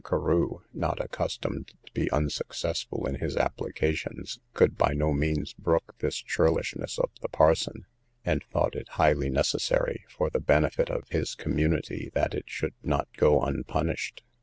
Carew, not accustomed to be unsuccessful in his applications, could by no means brook this churlishness of the parson, and thought it highly necessary, for the benefit of his community, that it should not go unpunished.